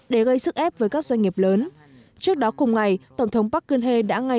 để gây sức ép với các doanh nghiệp lớn trước đó cùng ngày tổng thống park geun hye đã ngay